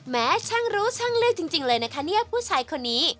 แม้ช่างรู้ช่างเลือกจริงเลยนะคะเนี่ยผู้ชายคนนี้